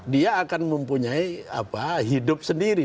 dia akan mempunyai hidup sendiri